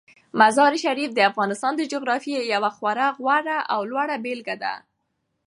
مزارشریف د افغانستان د جغرافیې یوه خورا غوره او لوړه بېلګه ده.